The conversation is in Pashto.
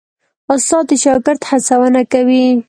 استاد د شاګرد هڅونه کوي.